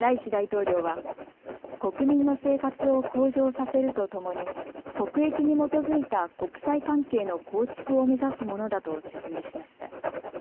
ライシ大統領は国民の生活を向上させるとともに国益に基づいた国際関係の構築を目指すものだと説明しました。